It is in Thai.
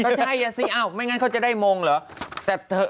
ก็ใช่อ่ะสิอ้าวไม่งั้นเขาจะได้มงเหรอ